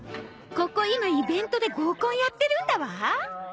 ここ今イベントで合コンやってるんだわ。